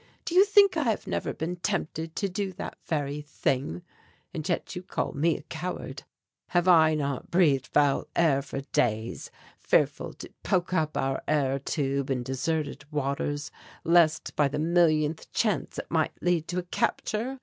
Do you think I have never been tempted to do that very thing? And yet you call me a coward. Have I not breathed foul air for days, fearful to poke up our air tube in deserted waters lest by the millionth chance it might lead to a capture?